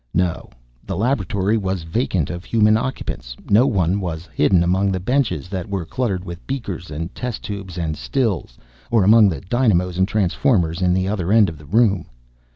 No, the laboratory was vacant of human occupants. No one was hidden among the benches that were cluttered with beakers and test tubes and stills, or among the dynamos and transformers in the other end of the room.